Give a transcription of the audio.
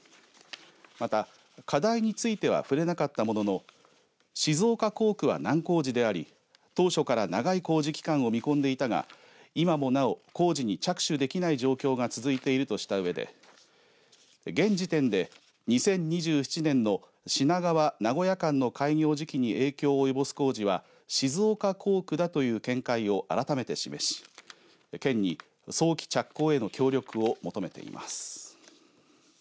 また、課題については触れなかったものの静岡工区は難工事であり当初から長い工事期間を見込んでいたが今もなお工事に着手できない状況が続いているとしたうえで現時点で、２０２７年の品川名古屋間の開業時期に影響を及ぼす工事は静岡工区だという見解を改めて示し県に早期着工への協力を求めています。